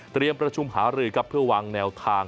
เตรียมประชุมหาหรือกับเพื่อวางแนวทาง